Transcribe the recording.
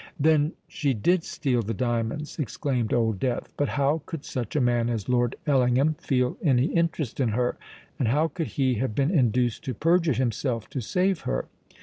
"Then she did steal the diamonds!" exclaimed Old Death. "But how could such a man as Lord Ellingham feel any interest in her? and how could he have been induced to perjure himself to save her?"